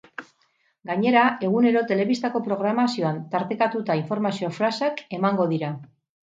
Gainera, egunero telebistako programazioan tartekatuta informazio flash-ak emango dira.